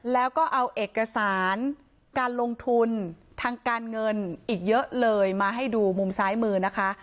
แล้วก็เอาเอกสารการลงทุนทางการเงินอีกเยอะเลยมาให้ดูมุมซ้ายมือนะคะ